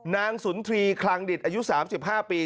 นางสุนทรีคลังดิตอายุ๓๕ปี